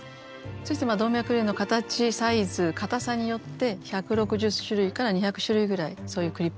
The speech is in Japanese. そして動脈瘤の形サイズかたさによって１６０種類から２００種類ぐらいそういうクリップが用意されています。